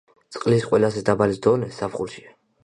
წყლის ყველაზე დაბალი დონე ზაფხულშია.